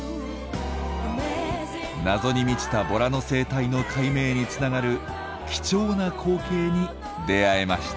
謎に満ちたボラの生態の解明につながる貴重な光景に出会えました。